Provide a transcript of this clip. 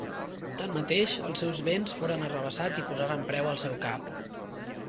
Tanmateix, els seus béns foren arrabassats i posaren preu al seu cap.